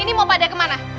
ini mau pada kemana